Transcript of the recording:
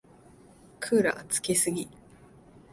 クーラーつけすぎ。